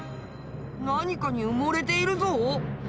何かに埋もれているぞ。